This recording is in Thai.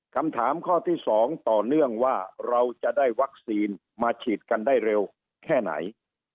คำถามข้อที่๒ต่อเนื่องว่าเราจะได้วัคซีนมาฉีดกันได้เร็วแค่ไหน